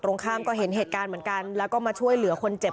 ตรงข้ามก็เห็นเหตุการณ์เหมือนกันแล้วก็มาช่วยเหลือคนเจ็บ